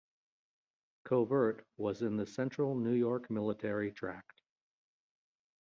Covert was in the Central New York Military Tract.